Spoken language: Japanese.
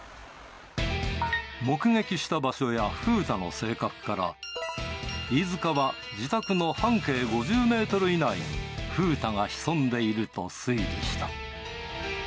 目撃した場所やふうたの性格から、飯塚は自宅の半径５０メートル以内にふうたが潜んでいると推理した。